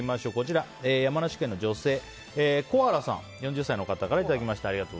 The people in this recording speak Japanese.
山梨県の女性４０歳の方からいただきました。